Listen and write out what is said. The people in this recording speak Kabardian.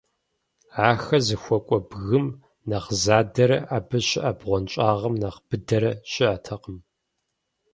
Ахэр зыхуэкӀуэ бгым нэхъ задэрэ абы щыӀэ бгъуэнщӀагъым нэхъ быдэрэ щыӀэтэкъым.